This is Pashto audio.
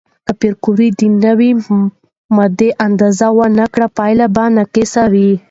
که پېیر کوري د نوې ماده اندازه ونه کړي، پایله ناقصه وي.